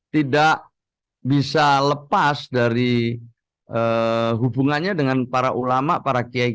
tidak bisa lepas dari hubungannya dengan para ulama para kiai kiai yang lain